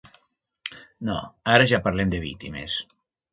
No, ara ja parlen de víctimes.